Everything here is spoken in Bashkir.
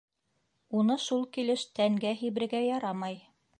Уны шул килеш тәнгә һибергә ярамай.